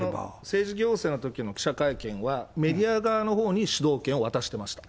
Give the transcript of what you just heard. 政治行政のときの記者会見は、メディア側のほうに主導権を渡してました。